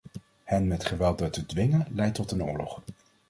Hen met geweld daartoe te dwingen, leidt tot een oorlog.